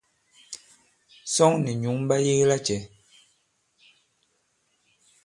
Sᴐŋ nì nyǔŋ ɓa yege lacɛ̄?